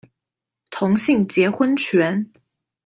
同性結婚權